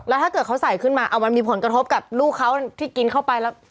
แล้วถ้าเกิดเขาใส่ขึ้นมาเอามันมีผลกระทบกับลูกเขาที่กินเข้าไปแล้ว